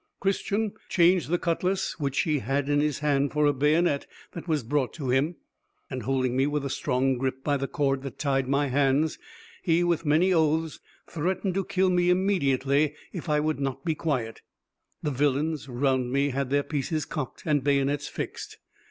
Christian changed the cutlass which he had in his hand for a bayonet that was brought to him, and holding me with a strong grip by the cord that tied my hands, he with many oaths threatened to kill me immediately if I would not be quiet; the villains round me had their pieces cocked and bayonets fixed.